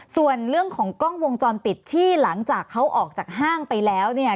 ส่วนเรื่องของกล้องวงจรปิดที่หลังจากเขาออกจากห้างไปแล้วเนี่ย